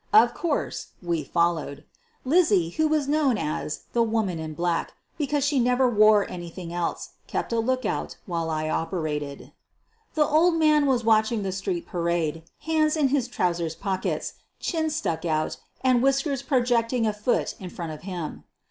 Of course, we followed. Lizzie, who was known as "The Woman in Black," jecause she never wore anything else, kept a lookout while I operated. The old man was watching the street parade, hands in his trousers pockets, chin stuck out, and whiskers projecting a foot in front of him.